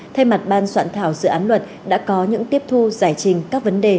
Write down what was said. thay mặt ban soạn thảo dự án luật đã có những tiếp thu giải trình các vấn đề